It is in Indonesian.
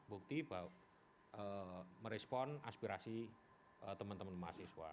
bukti bahwa merespon aspirasi teman teman mahasiswa